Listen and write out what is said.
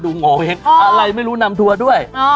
โงเห้งอะไรไม่รู้นำทัวร์ด้วย